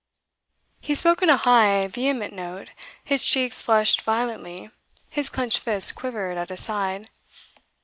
He spoke in a high, vehement note; his cheeks flushed violently, his clenched fist quivered at his side.